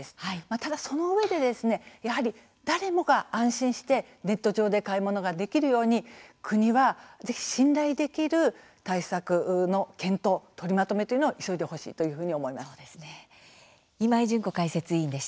ただ、そのうえで、やはり誰もが安心してネット上で買い物ができるように国は、ぜひ信頼できる対策の検討取りまとめというのを急いでほしいというふうに思います。